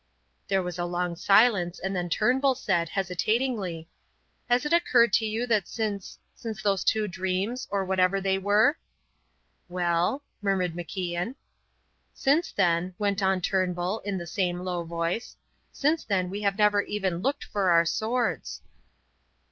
There was a long silence, and then Turnbull said, hesitatingly: "Has it occurred to you that since since those two dreams, or whatever they were " "Well?" murmured MacIan. "Since then," went on Turnbull, in the same low voice, "since then we have never even looked for our swords."